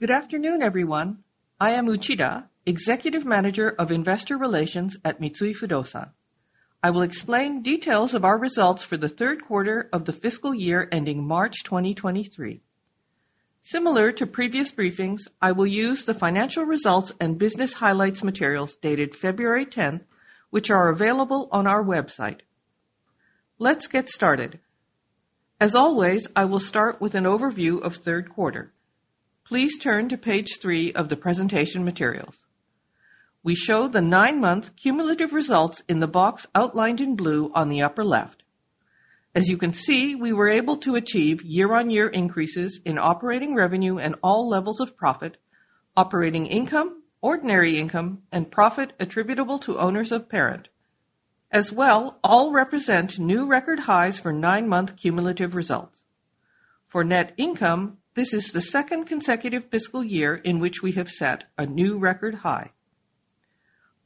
Good afternoon, everyone. I am Uchida, Executive Manager of Investor Relations at Mitsui Fudosan. I will explain details of our results for the third quarter of the fiscal year ending March 2023. Similar to previous briefings, I will use the financial results and business highlights materials dated February 10th, which are available on our website. Let's get started. As always, I will start with an overview of third quarter. Please turn to page three of the presentation materials. We show the nine-month cumulative results in the box outlined in blue on the upper left. As you can see, we were able to achieve year-on-year increases in operating revenue and all levels of profit, operating income, ordinary income, and profit attributable to owners of parent. As well, all represent new record highs for nine-month cumulative results. For net income, this is the second consecutive fiscal year in which we have set a new record high.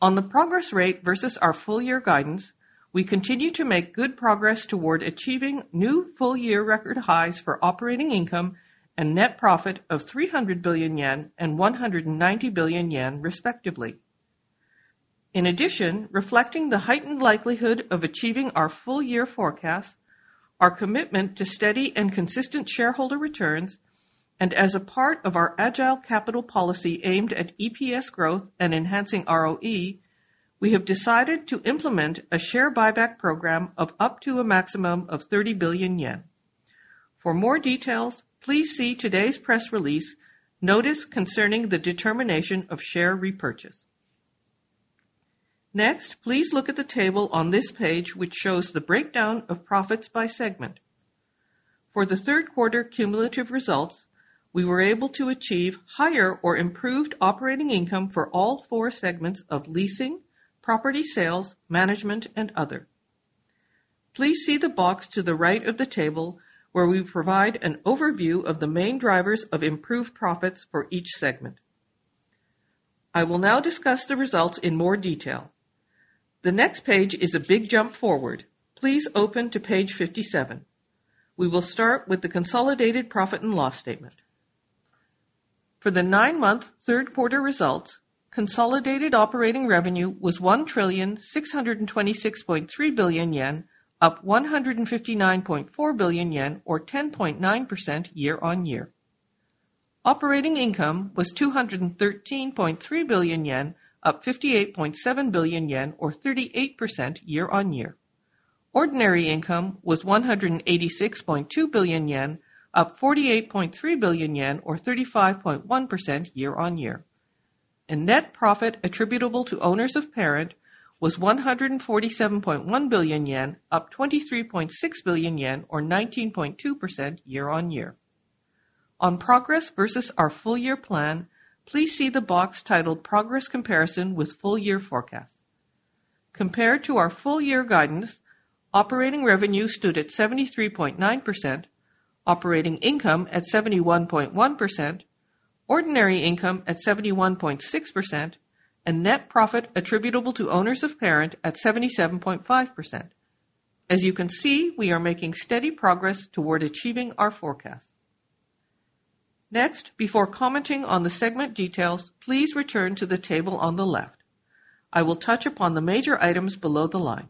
On the progress rate versus our full year guidance, we continue to make good progress toward achieving new full-year record highs for operating income and net profit of 300 billion yen and 190 billion yen, respectively. Reflecting the heightened likelihood of achieving our full year forecast, our commitment to steady and consistent shareholder returns, and as a part of our agile capital policy aimed at EPS growth and enhancing ROE, we have decided to implement a share buyback program of up to a maximum of 30 billion yen. For more details, please see today's press release, Notice Concerning the Determination of Share Repurchase. Please look at the table on this page, which shows the breakdown of profits by segment. For the third quarter cumulative results, we were able to achieve higher or improved operating income for all four segments of leasing, property sales, management, and other. Please see the box to the right of the table where we provide an overview of the main drivers of improved profits for each segment. I will now discuss the results in more detail. The next page is a big jump forward. Please open to page 57. We will start with the consolidated profit and loss statement. For the nine-month third quarter results, consolidated operating revenue was 1,626.3 billion yen, up 159.4 billion yen, or 10.9% year-on-year. Operating income was 213.3 billion yen, up 58.7 billion yen, or 38% year-on-year. Ordinary income was 186.2 billion yen, up 48.3 billion yen, or 35.1% year-on-year. Net profit attributable to owners of parent was 147.1 billion yen, up 23.6 billion yen, or 19.2% year-on-year. On progress versus our full year plan, please see the box titled Progress Comparison with Full Year Forecast. Compared to our full year guidance, operating revenue stood at 73.9%, operating income at 71.1%, ordinary income at 71.6%, and net profit attributable to owners of parent at 77.5%. As you can see, we are making steady progress toward achieving our forecast. Next, before commenting on the segment details, please return to the table on the left. I will touch upon the major items below the line.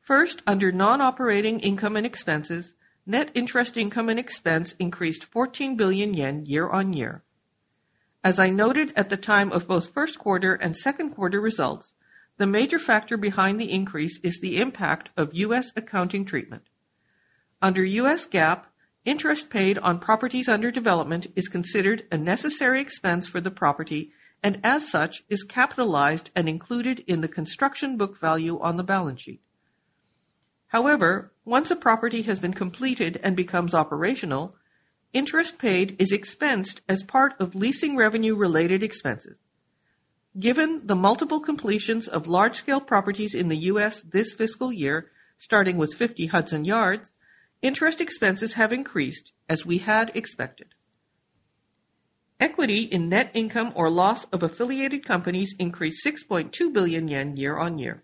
First, under non-operating income and expenses, net interest income and expense increased 14 billion yen year-on-year. As I noted at the time of both first quarter and second quarter results, the major fthactor behind the increase is the impact of U.S. accounting treatment. Under U.S. GAAP, interest paid on properties under development is considered a necessary expense for the property and as such is capitalized and included in the construction book value on the balance sheet. Once a property has been completed and becomes operational, interest paid is expensed as part of leasing revenue related expenses. Given the multiple completions of large scale properties in the U.S. this fiscal year, starting with 50 Hudson Yards, interest expenses have increased as we had expected. Equity in net income or loss of affiliated companies increased 6.2 billion yen year-on-year.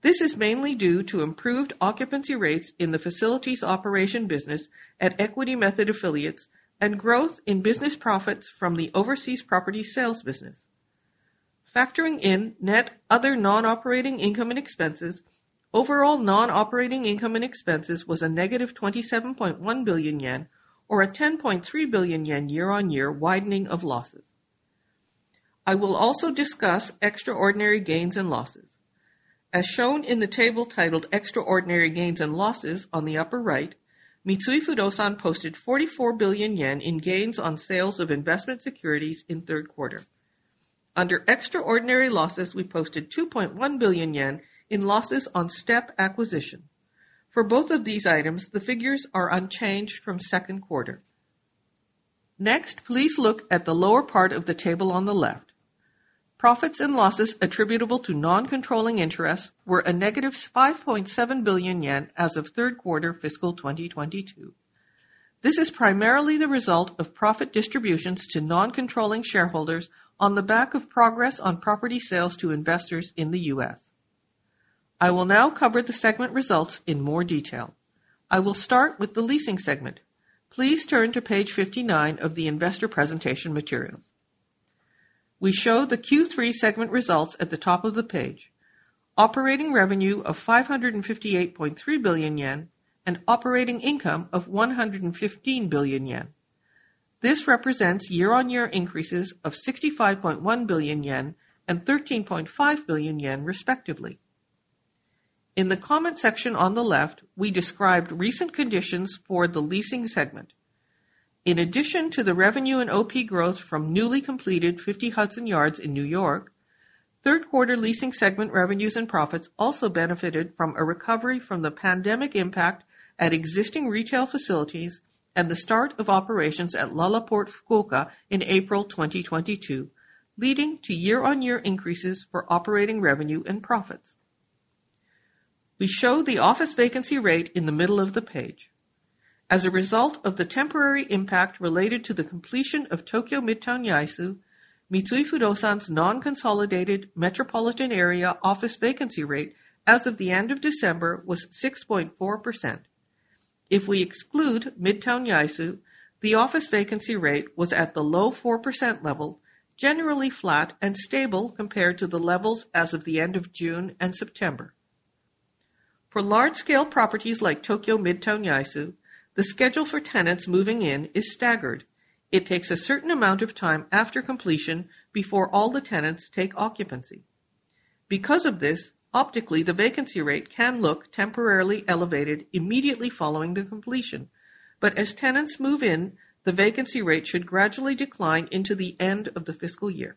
This is mainly due to improved occupancy rates in the facilities operation business at equity method affiliates and growth in business profits from the overseas property sales business. Factoring in net other non-operating income and expenses, overall non-operating income and expenses was a negative 27.1 billion yen or a 10.3 billion yen year-on-year widening of losses. I will also discuss extraordinary gains and losses. As shown in the table titled Extraordinary Gains and Losses on the upper right, Mitsui Fudosan posted 44 billion yen in gains on sales of investment securities in third quarter. Under extraordinary losses, we posted 2.1 billion yen in losses on step acquisition. For both of these items, the figures are unchanged from second quarter. Next, please look at the lower part of the table on the left. Profits and losses attributable to non-controlling interests were a negative 5.7 billion yen as of third quarter fiscal 2022. This is primarily the result of profit distributions to non-controlling shareholders on the back of progress on property sales to investors in the U.S.. I will now cover the segment results in more detail. I will start with the Leasing segment. Please turn to page 59 of the Investor presentation material. We show the Q3 segment results at the top of the page. Operating revenue of 558.3 billion yen and operating income of 115 billion yen. This represents year-on-year increases of 65.1 billion yen and 13.5 billion yen, respectively. In the comment section on the left, we described recent conditions for the leasing segment. In addition to the revenue and OP growth from newly completed 50 Hudson Yards in New York, third quarter Leasing segment revenues and profits also benefited from a recovery from the pandemic impact at existing retail facilities and the start of operations at LaLaport FUKUOKA in April 2022, leading to year-over-year increases for operating revenue and profits. We show the office vacancy rate in the middle of the page. As a result of the temporary impact related to the completion of Tokyo Midtown Yaesu, Mitsui Fudosan's non-consolidated metropolitan area office vacancy rate as of the end of December was 6.4%. If we exclude Midtown Yaesu, the office vacancy rate was at the low 4% level, generally flat and stable compared to the levels as of the end of June and September. For large scale properties like Tokyo Midtown Yaesu, the schedule for tenants moving in is staggered. It takes a certain amount of time after completion before all the tenants take occupancy. Because of this, optically the vacancy rate can look temporarily elevated immediately following the completion. As tenants move in, the vacancy rate should gradually decline into the end of the fiscal year.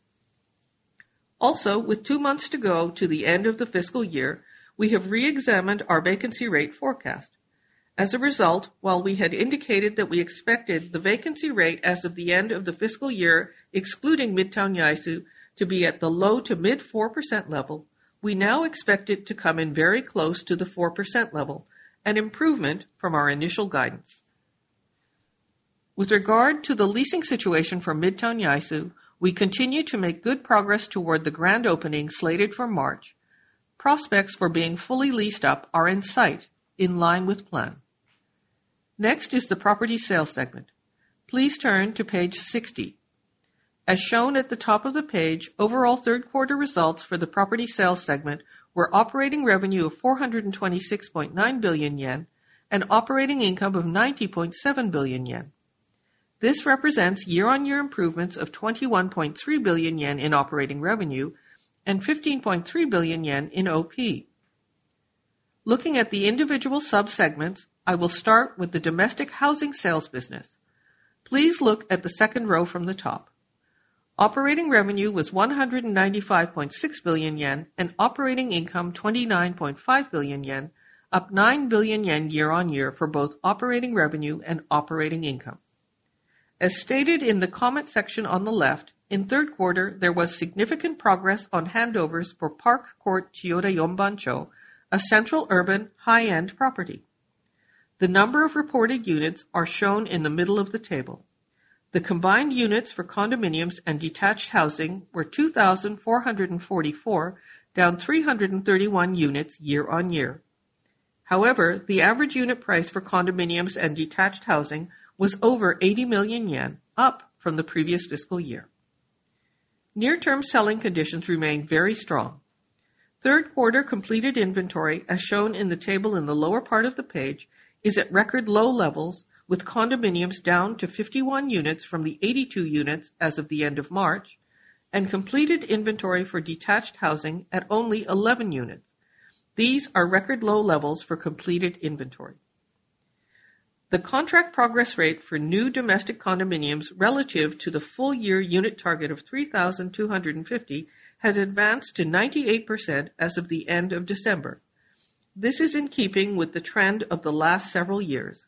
Also, with two months to go to the end of the fiscal year, we have re-examined our vacancy rate forecast. As a result, while we had indicated that we expected the vacancy rate as of the end of the fiscal year, excluding Midtown Yaesu, to be at the low to mid 4% level, we now expect it to come in very close to the 4% level, an improvement from our initial guidance. With regard to the leasing situation for Midtown Yaesu, we continue to make good progress toward the grand opening slated for March. Prospects for being fully leased up are in sight, in line with plan. Next is the Property Sales segment. Please turn to page 60. As shown at the top of the page, overall third quarter results for the Property Sales segment were operating revenue of 426.9 billion yen and operating income of 90.7 billion yen. This represents year-over-year improvements of 21.3 billion yen in operating revenue and 15.3 billion yen in OP. Looking at the individual sub-segments, I will start with the domestic housing sales business. Please look at the second row from the top. Operating revenue was 195.6 billion yen and operating income 29.5 billion yen, up 9 billion yen year-on-year for both operating revenue and operating income. As stated in the comment section on the left, in third quarter, there was significant progress on handovers for Park Court Chiyoda Yonbancho, a central urban high-end property. The number of reported units are shown in the middle of the table. The combined units for condominiums and detached housing were 2,444, down 331 units year-on-year. The average unit price for condominiums and detached housing was over 80 million yen, up from the previous fiscal year. Near term selling conditions remain very strong. Third quarter completed inventory, as shown in the table in the lower part of the page, is at record low levels, with condominiums down to 51 units from the 82 units as of the end of March, and completed inventory for detached housing at only 11 units. These are record low levels for completed inventory. The contract progress rate for new domestic condominiums relative to the full year unit target of 3,250 has advanced to 98% as of the end of December. This is in keeping with the trend of the last several years.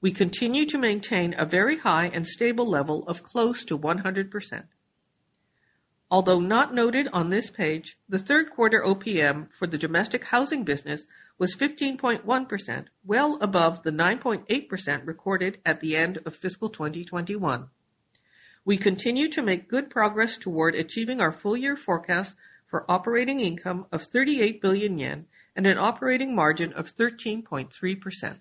We continue to maintain a very high and stable level of close to 100%. Although not noted on this page, the third quarter OPM for the domestic housing business was 15.1%, well above the 9.8% recorded at the end of fiscal 2021. We continue to make good progress toward achieving our full year forecast for operating income of 38 billion yen and an operating margin of 13.3%.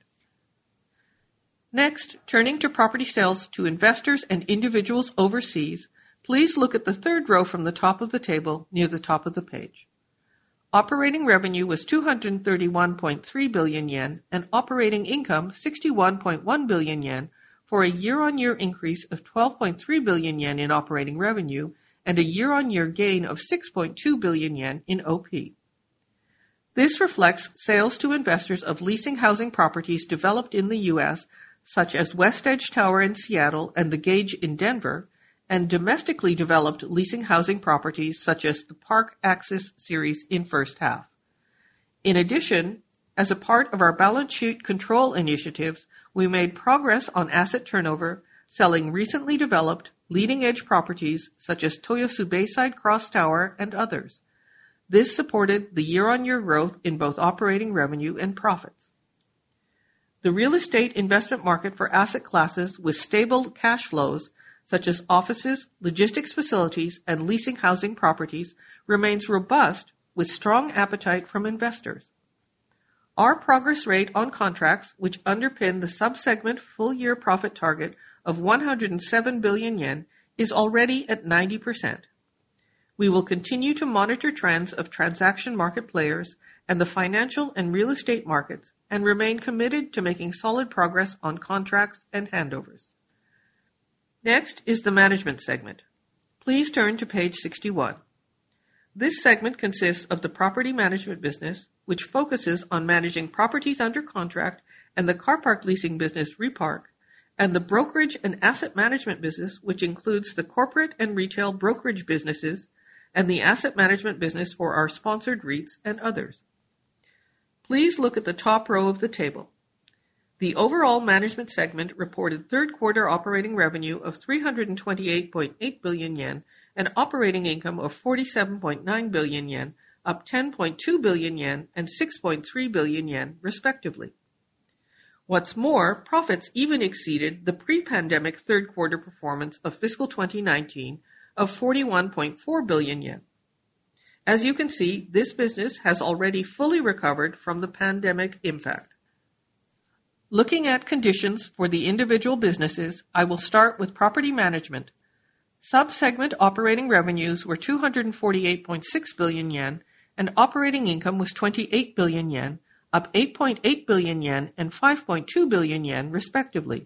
Turning to property sales to investors and individuals overseas, please look at the third row from the top of the table near the top of the page. Operating revenue was 231.3 billion yen and operating income 61.1 billion yen for a year-over-year increase of 12.3 billion yen in operating revenue and a year-over-year gain of 6.2 billion yen in OP. This reflects sales to investors of leasing housing properties developed in the U.S., such as West Edge Tower in Seattle and The Gage in Denver, and domestically developed leasing housing properties such as the Park Axis series in first half. As a part of our balance sheet control initiatives, we made progress on asset turnover, selling recently developed leading edge properties such as Toyosu Bayside Cross Tower and others. This supported the year-over-year growth in both operating revenue and profits. The real estate investment market for asset classes with stable cash flows, such as offices, logistics facilities, and leasing housing properties, remains robust with strong appetite from investors. Our progress rate on contracts, which underpin the sub-segment full year profit target of 107 billion yen, is already at 90%. We will continue to monitor trends of transaction market players and the financial and real estate markets and remain committed to making solid progress on contracts and handovers. Next is the Management segment. Please turn to page 61. This segment consists of the property management business, which focuses on managing properties under contract and the car park leasing business Repark, and the brokerage and asset management business, which includes the corporate and retail brokerage businesses and the asset management business for our sponsored REITs and others. Please look at the top row of the table. The overall management segment reported third quarter operating revenue of 328.8 billion yen and operating income of 47.9 billion yen, up 10.2 billion yen and 6.3 billion yen, respectively. Profits even exceeded the pre-pandemic third quarter performance of fiscal 2019 of 41.4 billion yen. As you can see, this business has already fully recovered from the pandemic impact. Looking at conditions for the individual businesses, I will start with Property Management. Sub-segment operating revenues were 248.6 billion yen and operating income was 28 billion yen, up 8.8 billion yen and 5.2 billion yen, respectively.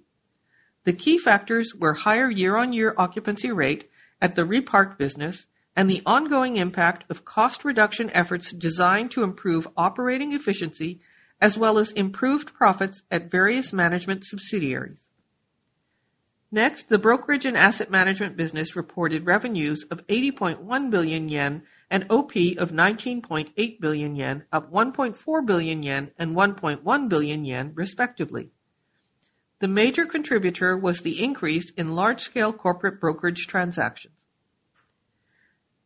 The key factors were higher year-on-year occupancy rate at the Repark business and the ongoing impact of cost reduction efforts designed to improve operating efficiency, as well as improved profits at various management subsidiaries. The brokerage and asset management business reported revenues of 80.1 billion yen and OP of 19.8 billion yen, up 1.4 billion yen and 1.1 billion yen, respectively. The major contributor was the increase in large scale corporate brokerage transactions.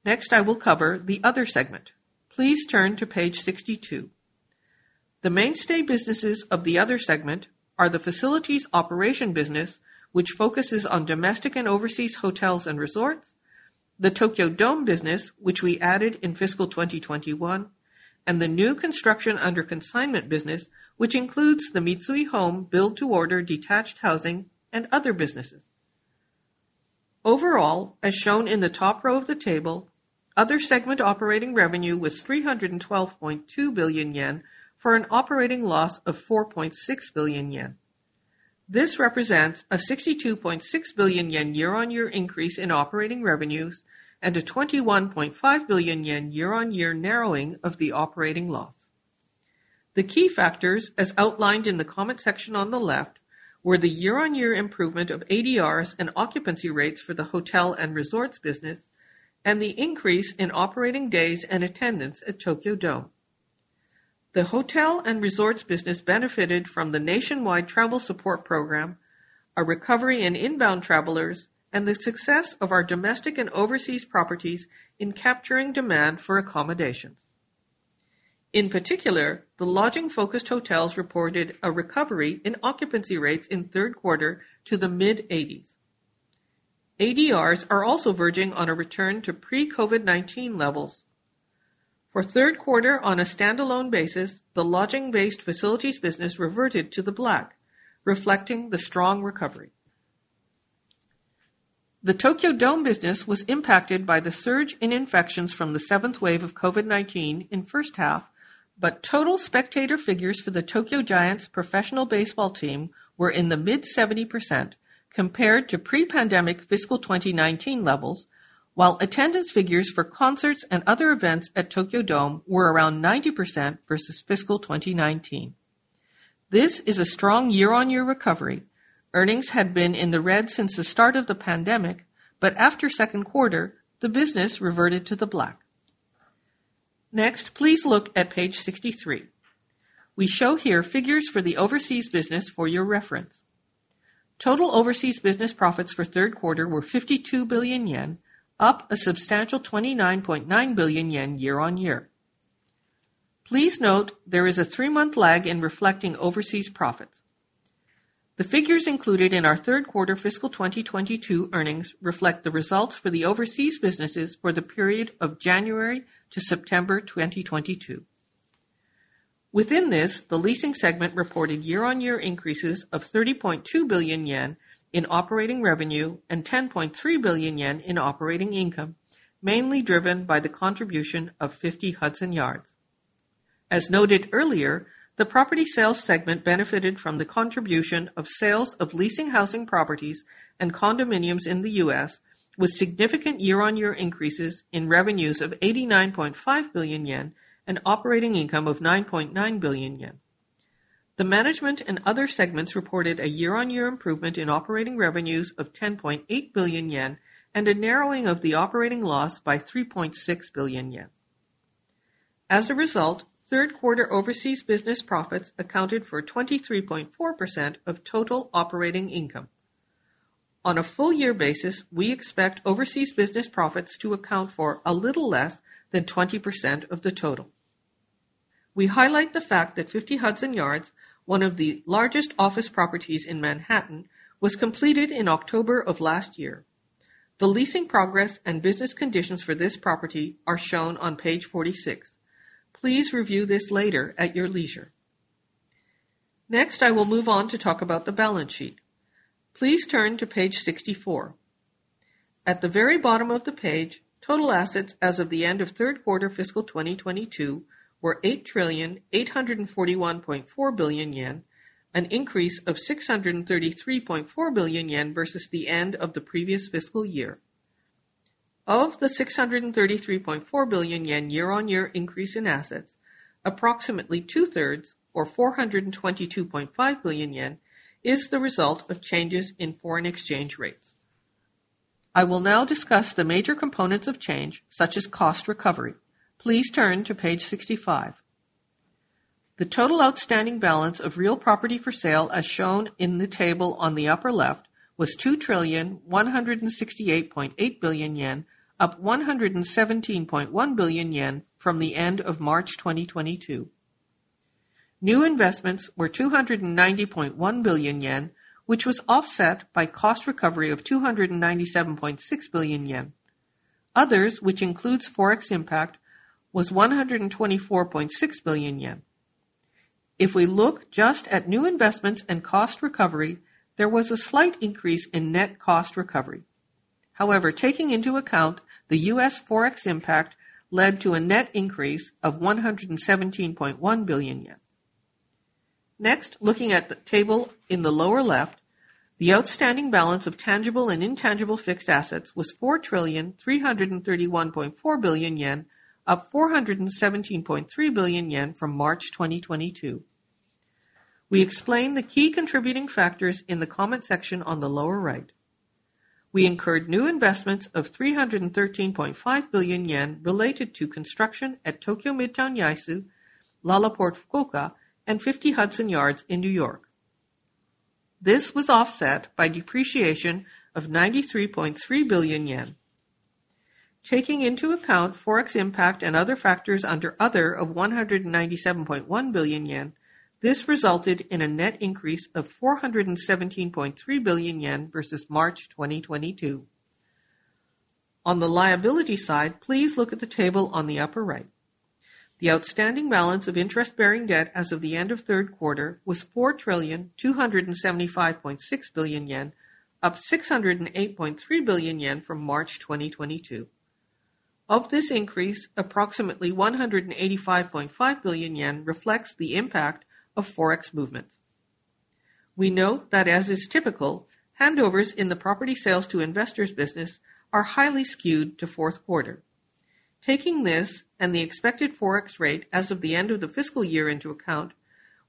I will cover the other segment. Please turn to page 62. The mainstay businesses of the other segment are the facilities operation business, which focuses on domestic and overseas hotels and resorts, the Tokyo Dome business, which we added in fiscal 2021, and the new construction under consignment business, which includes the Mitsui Home build-to-order detached housing and other businesses. As shown in the top row of the table, other segment operating revenue was 312.2 billion yen for an operating loss of 4.6 billion yen. This represents a 62.6 billion yen year-on-year increase in operating revenues and a 21.5 billion yen year-on-year narrowing of the operating loss. The key factors, as outlined in the comment section on the left, were the year-on-year improvement of ADRs and occupancy rates for the hotel and resorts business and the increase in operating days and attendance at Tokyo Dome. The hotel and resorts business benefited from the nationwide travel support program, a recovery in inbound travelers, and the success of our domestic and overseas properties in capturing demand for accommodation. In particular, the lodging focused hotels reported a recovery in occupancy rates in third quarter to the mid-80s. ADRs are also verging on a return to pre-COVID-19 levels. For third quarter on a standalone basis, the lodging based facilities business reverted to the black, reflecting the strong recovery. The Tokyo Dome business was impacted by the surge in infections from the seventh wave of COVID-19 in first half. Total spectator figures for the Yomiuri Giants professional baseball team were in the mid 70% compared to pre-pandemic fiscal 2019 levels, while attendance figures for concerts and other events at Tokyo Dome were around 90% versus fiscal 2019. This is a strong year-on-year recovery. Earnings had been in the red since the start of the pandemic. After second quarter, the business reverted to the black. Next, please look at page 63. We show here figures for the overseas business for your reference. Total overseas business profits for third quarter were 52 billion yen, up a substantial 29.9 billion yen year-on-year. Please note there is a three-month lag in reflecting overseas profits. The figures included in our third quarter fiscal 2022 earnings reflect the results for the overseas businesses for the period of January to September 2022. Within this, the leasing segment reported year-on-year increases of 30.2 billion yen in operating revenue and 10.3 billion yen in operating income, mainly driven by the contribution of 50 Hudson Yards. As noted earlier, the property sales segment benefited from the contribution of sales of leasing housing properties and condominiums in the U.S., with significant year-on-year increases in revenues of 89.5 billion yen and operating income of 9.9 billion yen. The management and other segments reported a year-on-year improvement in operating revenues of 10.8 billion yen and a narrowing of the operating loss by 3.6 billion yen. As a result, third quarter overseas business profits accounted for 23.4% of total operating income. On a full year basis, we expect overseas business profits to account for a little less than 20% of the total. We highlight the fact that 50 Hudson Yards, one of the largest office properties in Manhattan, was completed in October of last year. The leasing progress and business conditions for this property are shown on page 46. Please review this later at your leisure. I will move on to talk about the balance sheet. Please turn to page 64. At the very bottom of the page, total assets as of the end of third quarter fiscal 2022 were 8,841.4 billion yen, an increase of 633.4 billion yen versus the end of the previous fiscal year. Of the 633.4 billion yen year-on-year increase in assets, approximately 2/3, or 422.5billion yen, is the result of changes in foreign exchange rates. I will now discuss the major components of change such as cost recovery. Please turn to page 65. The total outstanding balance of real property for sale, as shown in the table on the upper left, was 2,168.8 billion yen, up 117.1 billion yen from the end of March 2022. New investments were 290.1 billion yen, which was offset by cost recovery of 297.6 billion yen. Others, which includes Forex impact, was 124.6 billion yen. If we look just at new investments and cost recovery, there was a slight increase in net cost recovery. However, taking into account the U.S. Forex impact led to a net increase of 117.1 billion yen. Next, looking at the table in the lower left, the outstanding balance of tangible and intangible fixed assets was 4,331.4 billion yen, up 417.3 billion yen from March 2022. We explain the key contributing factors in the comment section on the lower right. We incurred new investments of 313.5 billion yen related to construction at Tokyo Midtown Yaesu, LaLaport FUKUOKA, and Fifty Hudson Yards in New York. This was offset by depreciation of 93.3 billion yen. Taking into account Forex impact and other factors under other of 197.1 billion yen, this resulted in a net increase of 417.3 billion yen versus March 2022. On the liability side, please look at the table on the upper right. The outstanding balance of interest-bearing debt as of the end of third quarter was 4,275.6 billion yen, up 608.3 billion yen from March 2022. Of this increase, approximately 185.5 billion yen reflects the impact of Forex movements. We note that, as is typical, handovers in the property sales to investors' business are highly skewed to fourth quarter. Taking this and the expected Forex rate as of the end of the fiscal year into account,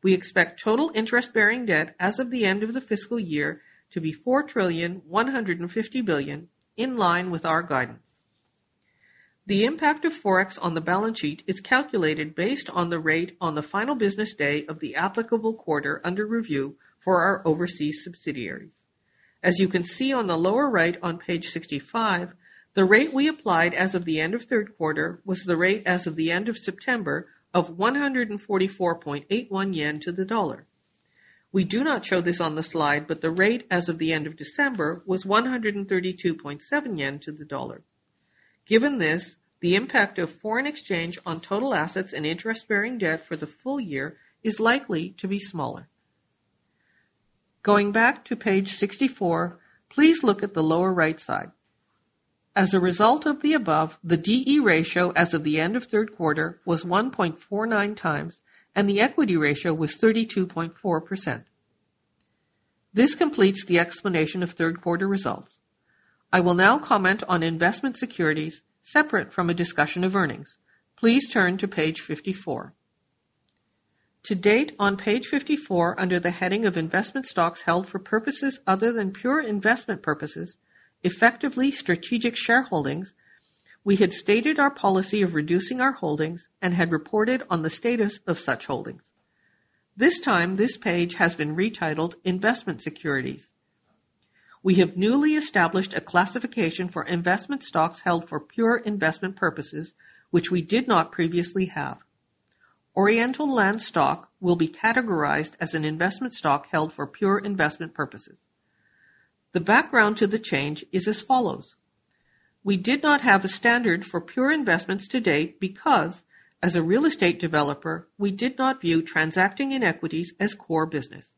we expect total interest-bearing debt as of the end of the fiscal year to be 4,150 billion in line with our guidance. The impact of Forex on the balance sheet is calculated based on the rate on the final business day of the applicable quarter under review for our overseas subsidiaries. As you can see on the lower right on page 65, the rate we applied as of the end of third quarter was the rate as of the end of September of 144.81 yen to the U.S.D. We do not show this on the slide. The rate as of the end of December was 132.7 yen to the dollar. Given this, the impact of foreign exchange on total assets and interest bearing debt for the full year is likely to be smaller. Going back to page 64, please look at the lower right side. As a result of the above, the D/E ratio as of the end of third quarter was 1.49x and the equity ratio was 32.4%. This completes the explanation of third quarter results. I will now comment on investment securities separate from a discussion of earnings. Please turn to page 54. To date on page 54 under the heading of investment stocks held for purposes other than pure investment purposes, effectively strategic shareholdings, we had stated our policy of reducing our holdings and had reported on the status of such holdings. This time, this page has been retitled Investment Securities. We have newly established a classification for investment stocks held for pure investment purposes, which we did not previously have. Oriental Land stock will be categorized as an investment stock held for pure investment purposes. The background to the change is as follows. We did not have a standard for pure investments to date because, as a real estate developer, we did not view transacting in equities as core business.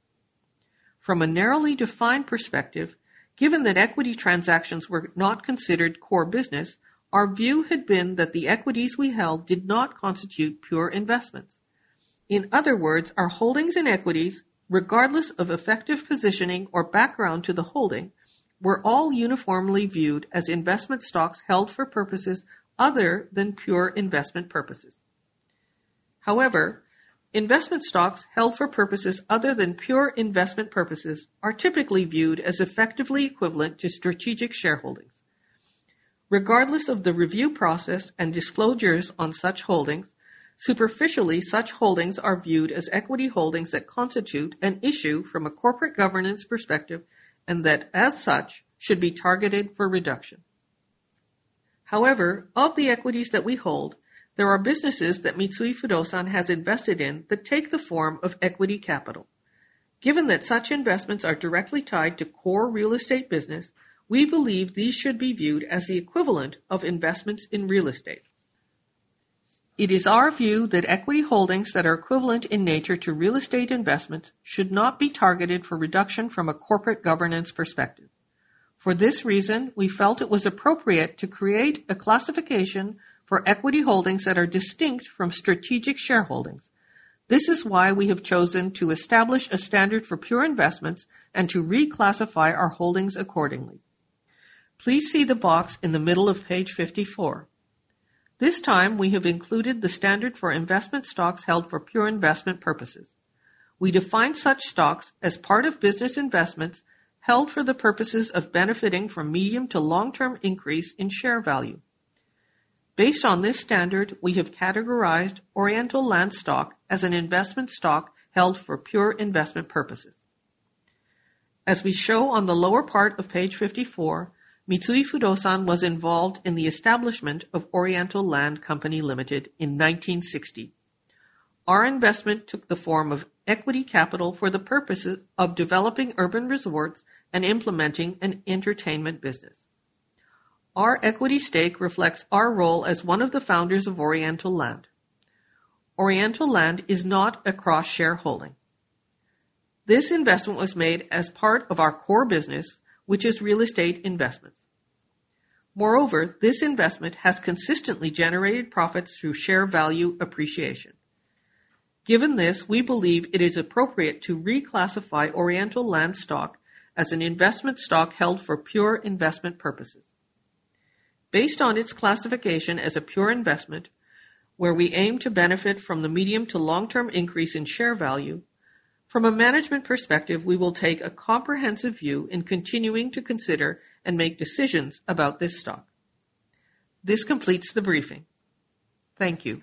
From a narrowly defined perspective, given that equity transactions were not considered core business, our view had been that the equities we held did not constitute pure investments. In other words, our holdings in equities, regardless of effective positioning or background to the holding, were all uniformly viewed as investment stocks held for purposes other than pure investment purposes. However, investment stocks held for purposes other than pure investment purposes are typically viewed as effectively equivalent to strategic shareholdings. Regardless of the review process and disclosures on such holdings, superficially, such holdings are viewed as equity holdings that constitute an issue from a corporate governance perspective and that as such, should be targeted for reduction. However, of the equities that we hold, there are businesses that Mitsui Fudosan has invested in that take the form of equity capital. Given that such investme nts are directly tied to core real estate business, we believe these should be viewed as the equivalent of investments in real estate. It is our view that equity holdings that are equivalent in nature to real estate investments should not be targeted for reduction from a corporate governance perspective. For this reason, we felt it was appropriate to create a classification for equity holdings that are distinct from strategic shareholdings. This is why we have chosen to establish a standard for pure investments and to reclassify our holdings accordingly. Please see the box in the middle of page 54. This time, we have included the standard for investment stocks held for pure investment purposes. We define such stocks as part of business investments held for the purposes of benefiting from medium to long-term increase in share value. Based on this standard, we have categorized Oriental Land stock as an investment stock held for pure investment purposes. As we show on the lower part of page 54, Mitsui Fudosan was involved in the establishment of Oriental Land Company Limited in 1960. Our investment took the form of equity capital for the purposes of developing urban resorts and implementing an entertainment business. Our equity stake reflects our role as one of the founders of Oriental Land. Oriental Land is not a cross-share holding. This investment was made as part of our core business, which is real estate investment. Moreover, this investment has consistently generated profits through share value appreciation. Given this, we believe it is appropriate to reclassify Oriental Land stock as an investment stock held for pure investment purposes. Based on its classification as a pure investment, where we aim to benefit from the medium to long-term increase in share value, from a management perspective, we will take a comprehensive view in continuing to consider and make decisions about this stock. This completes the briefing. Thank you.